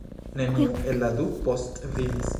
Neniu el la du postvivis.